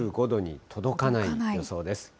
１５度に届かない予想です。